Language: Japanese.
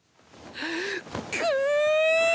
くう！